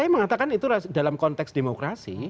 saya mengatakan itu dalam konteks demokrasi